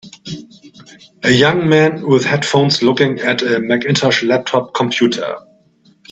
A young man with headphones looking at a Macintosh laptop computer.